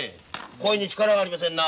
声に力がありませんな。